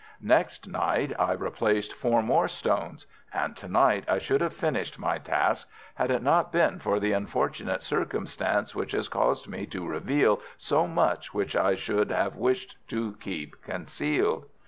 Next night I replaced four more stones. And to night I should have finished my task had it not been for the unfortunate circumstance which has caused me to reveal so much which I should have wished to keep concealed.